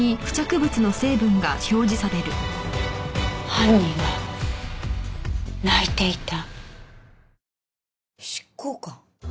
犯人は泣いていた。